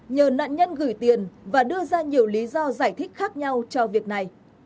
nhờ nạn nhân gửi tiền và đưa ra nhiều lý do giải thích khác nhau cho việc này